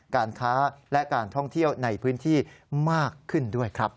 การค้าและการท่องเที่ยวในพื้นที่มากขึ้นด้วยครับ